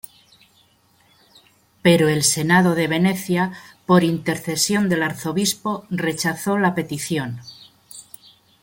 Pero el senado de Venecia, por intercesión del arzobispo, rechazó la petición.